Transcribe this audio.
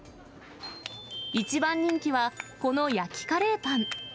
一番人気は、この焼きカレーパン。